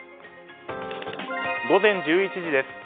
午前１１時です。